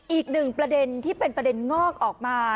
อีกหนึ่งประเด็นที่เป็นประเด็นงอกออกมา